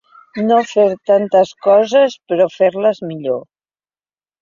No fer tantes coses però fer-les millor.